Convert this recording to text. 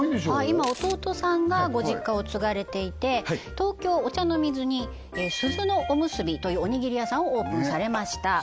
今弟さんがご実家を継がれていて東京・お茶の水にすずのおむすびというおにぎり屋さんをオープンされました